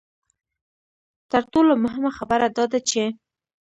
تر ټولو مهمه خبره دا ده چې.